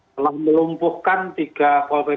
terlumpuhkan tiga pol pp itu